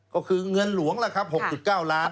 ก็คือเงินหลวงล่ะครับ๖๙ล้าน